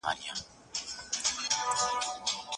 ته خپل هدف پېژنې؟